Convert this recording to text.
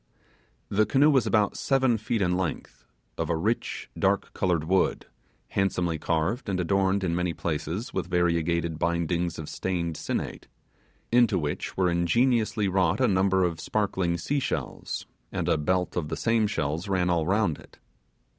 The canoe was about seven feet in length; of a rich, dark coloured wood, handsomely carved and adorned in many places with variegated bindings of stained sinnate, into which were ingeniously wrought a number of sparkling seashells, and a belt of the same shells ran all round it.